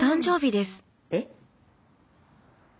えっ？